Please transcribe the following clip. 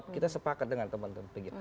kita sepakat dengan teman teman pg